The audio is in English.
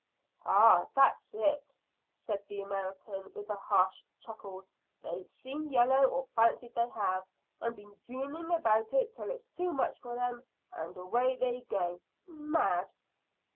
"Ah, that's it," said the American, with a harsh chuckle. "They've seen yellow, or fancied they have, and been dreaming about it till it's too much for them, and away they go mad."